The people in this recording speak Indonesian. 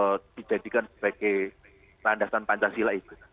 atau dijadikan sebagai landasan pancasila itu